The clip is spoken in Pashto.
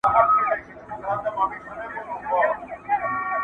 خلکو مړي ښخول په هدیرو کي!!